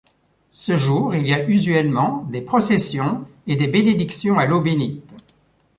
Ce jour, il y a usuellement des processions et des bénédictions à l'eau bénite.